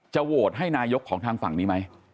โหวตให้นายกของทางฝั่งนี้ไหม